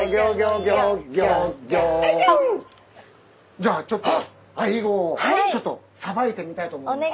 じゃあちょっとアイゴをちょっとさばいてみたいと思います。